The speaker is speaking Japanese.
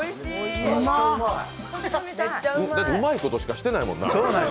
うまいことしかしてないもんな。